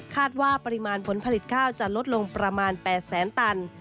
ว่าปริมาณผลผลิตข้าวจะลดลงประมาณ๘แสนตัน